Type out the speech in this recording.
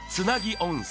温泉